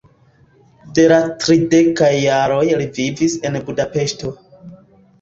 De la tridekaj jaroj li vivis en Budapeŝto.